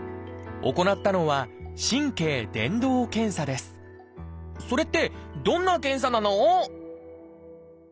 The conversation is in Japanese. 行ったのはそれってどんな検査なの？